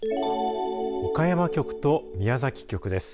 岡山局と宮崎局です。